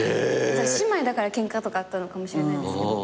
姉妹だからケンカとかあったのかもしれないですけど。